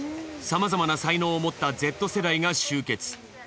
さまざまな才能を持ったＺ世代が集結。